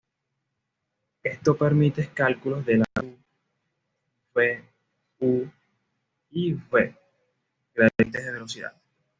Esto permite cálculos de la U, V, U y V gradientes de velocidad.